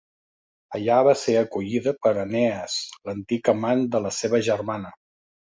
Allà va ser acollida per Enees, l'antic amant de la seva germana.